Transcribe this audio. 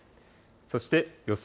そして予想